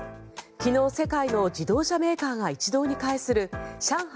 昨日、世界の自動車メーカーが一堂に会する上海